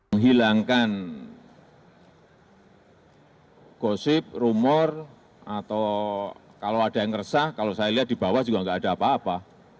menghilangkan gosip rumor atau kalau ada yang resah kalau saya lihat di bawah juga nggak ada apa apa